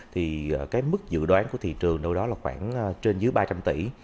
thì cái mức dự đoán của thị trường đâu đó là khoảng trên dưới ba trăm linh tỷ